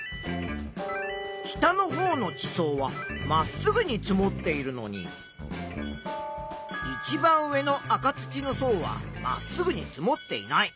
下のほうの地層はまっすぐに積もっているのにいちばん上の赤土の層はまっすぐに積もっていない。